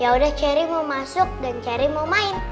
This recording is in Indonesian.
yaudah cherry mau masuk dan cherry mau main